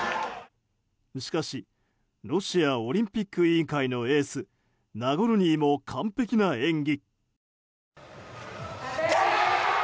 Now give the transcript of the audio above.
しかし、ロシアオリンピック委員会のエースナゴルニーも完璧な演技。